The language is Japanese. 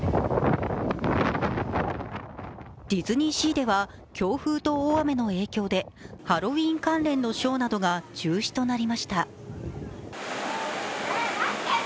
ディズニーシーでは強風と大雨の影響でハロウィーン関連のショーなどが中止となりました。